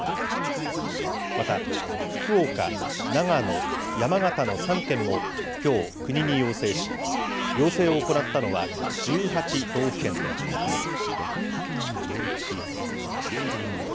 また、福岡、長野、山形の３県も、きょう国に要請し、要請を行ったのは、１８道府県となっています。